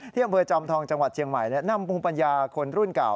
อำเภอจอมทองจังหวัดเชียงใหม่นำภูมิปัญญาคนรุ่นเก่า